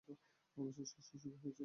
অবশেষে সে সুখী হয়েছে।